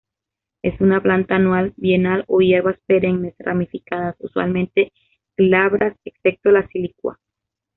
Es una planta anual, bienal o hierbas perennes, ramificadas, usualmente glabras excepto la silicua.